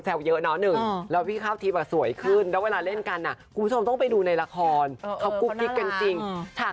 ตอนนี้ยังคิดไม่ออกนะครับครับ